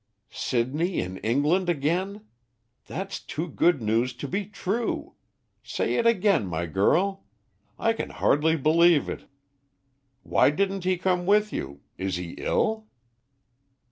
"Sidney in England again? That's too good news to be true. Say it again, my girl, I can hardly believe it. Why didn't he come with you? Is he ill?"